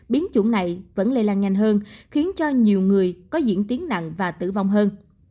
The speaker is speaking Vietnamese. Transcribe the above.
biến chủng này vẫn lây lan nhanh hơn khiến cho nhiều người có diễn tiến nặng và tử vong hơn